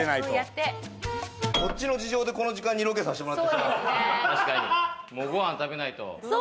こっちの事情でこの時間にロケさせてもらってるんだから。